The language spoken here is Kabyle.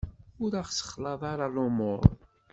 Ur aɣ-ssexlaḍ ara lumuṛ!